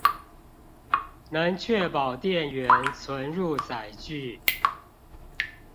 能確保店員存入載具